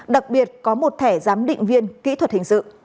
đặc biệt có một thẻ giám định viên kỹ thuật hình sự